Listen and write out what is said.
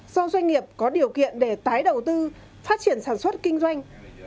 do doanh nghiệp có điều kiện để tái đầu tư phát triển sản xuất kinh doanh